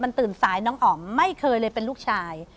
มันตื่นสายน้องอ๋อมไม่เคยเลยเป็นลูกชาย